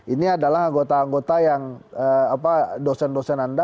ini adalah anggota anggota yang dosen dosen anda